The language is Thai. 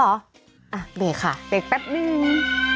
อ่ะเบรกค่ะเบรกแป๊บนึง